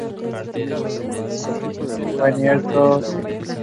El tribunal no permitió dar marcha atrás y el caso quedó judicialmente cerrado.